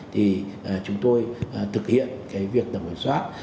thì chúng tôi thực hiện cái việc tầm kiểm soát